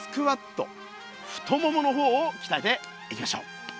太ももの方をきたえていきましょう。